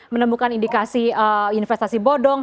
menemukan indikasi investasi bodong